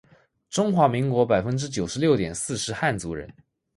中华民国百分之九十六点四是汉族人